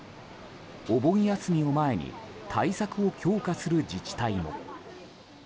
お盆休みを前に対策を強化する自治体も。